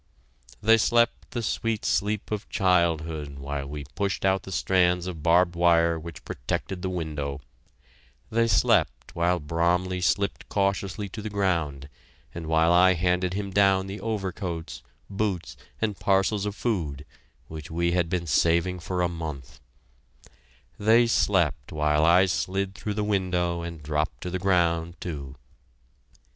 They slept the sweet sleep of childhood while we pushed out the strands of barbed wire which protected the window; they slept while Bromley slipped cautiously to the ground, and while I handed him down the overcoats, boots, and parcels of food (which we had been saving for a month); they slept while I slid through the window and dropped to the ground, too.